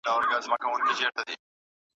ما لیدې چي به په توره شپه کي راسې